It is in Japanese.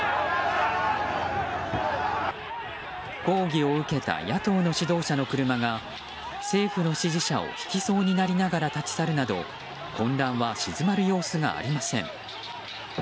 抗議を受けた野党の指導者の車が政府の支持者をひきそうになりながら立ち去るなど混乱は鎮まる様子がありません。